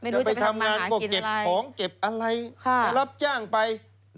จะไปทำงานก็เก็บของเก็บอะไรไปรับจ้างไป